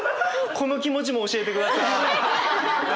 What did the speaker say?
この気持ちも教えてください。